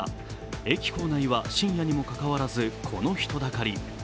駅構内は深夜にもかかわらず、この人だかり。